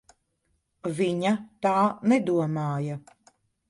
Viņa tā nedomāja.